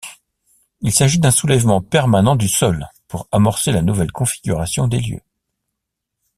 Il s’agit d’un soulèvement permanent du sol pour amorcer la nouvelle configuration des lieux.